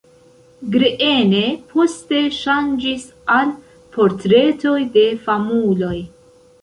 Greene poste ŝanĝis al portretoj de famuloj.